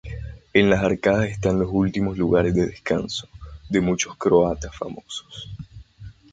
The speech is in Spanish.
En las arcadas están los últimos lugares de descanso de muchos croatas famosos.